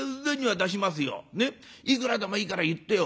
ねっいくらでもいいから言ってよ」。